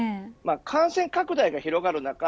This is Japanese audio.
感染拡大が広がる中